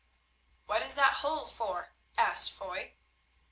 "What is that hole for?" asked Foy.